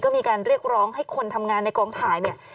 ก็มีการเรียกร้องให้คนทำงานในกองถ่ายเนี่ย